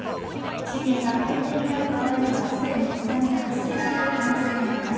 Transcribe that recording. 震源が海底にある場合には既に津波が発生している場合があります。